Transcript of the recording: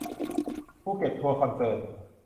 ภูเก็ตทัวร์คอนเซิร์น